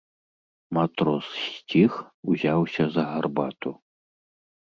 Матрос сціх, узяўся за гарбату.